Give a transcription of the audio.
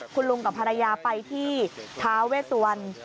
คุณลุงกับภรรยาไปที่ท้าเวสวรรณ